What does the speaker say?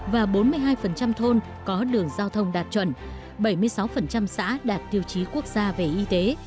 và bốn mươi hai thôn có đường giao thông đạt chuẩn bảy mươi sáu xã đạt tiêu chí quốc gia về y tế